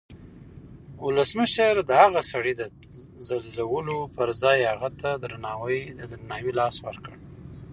ولسمشر د هغه سړي د ذلیلولو پر ځای هغه ته د درناوي لاس ورکړ.